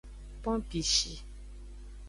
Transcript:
Pompishi.